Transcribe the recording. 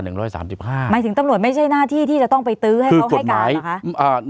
หมายถึงตำรวจไม่ใช่หน้าที่ที่จะต้องไปตื้อให้เขาให้การเหรอคะ